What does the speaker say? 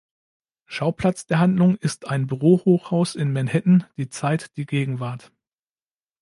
Schauplatz der Handlung ist ein Bürohochhaus in Manhattan, die Zeit die Gegenwart.